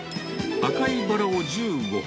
赤いバラを１５本。